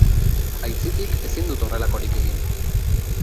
Aitzitik, ezin dut horrelakorik egin.